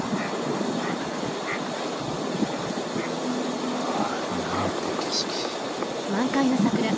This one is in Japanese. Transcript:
うわぁなんて景色。